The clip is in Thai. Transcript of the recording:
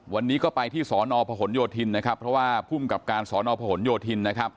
วันนี้ก็ไปที่สนผโหนโยธินนะครับเพราะว่าผู้กับการสนผโหนโยธิน